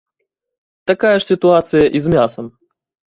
Такая ж сітуацыя і з мясам.